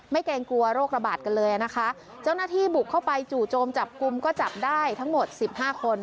เกรงกลัวโรคระบาดกันเลยอ่ะนะคะเจ้าหน้าที่บุกเข้าไปจู่โจมจับกลุ่มก็จับได้ทั้งหมดสิบห้าคน